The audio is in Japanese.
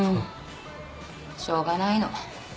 しょうがないの。